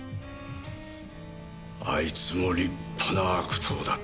あいつも立派な悪党だった。